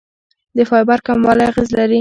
د فایبر کموالی اغېز لري.